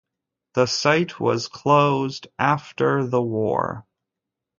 The site was closed after the war.